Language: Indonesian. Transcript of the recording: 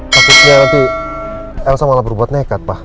mensa malah berbuat nekat pak